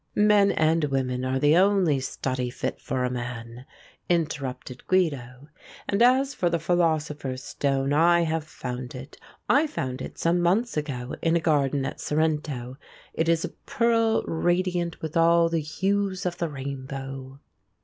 "Men and women are the only study fit for a man," interrupted Guido, "and as for the philosopher's stone I have found it. I found it some months ago in a garden at Sorrento. It is a pearl radiant with all the hues of the rainbow."